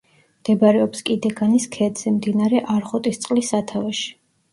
მდებარეობს კიდეგანის ქედზე, მდინარე არხოტისწყლის სათავეში.